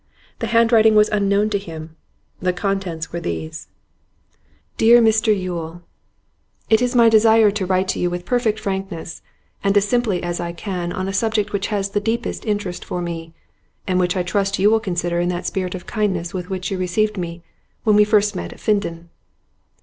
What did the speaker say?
The handwriting was unknown to him; the contents were these: 'DEAR MR YULE, It is my desire to write to you with perfect frankness and as simply as I can on a subject which has the deepest interest for me, and which I trust you will consider in that spirit of kindness with which you received me when we first met at Finden.